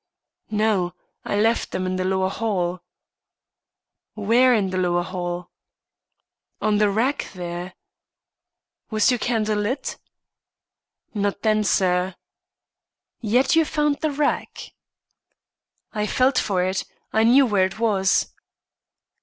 "No; I left them in the lower hall." "Where in the lower hall?" "On the rack there." "Was your candle lit?" "Not then, sir." "Yet you found the rack?" "I felt for it. I knew where it was."